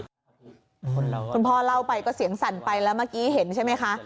คุณพ่อเล่าไปก็เสียงสั่นไปแล้วเมื่อกี้เห็นใช่ไหมคะ